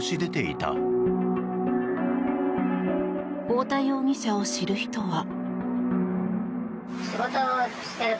太田容疑者を知る人は。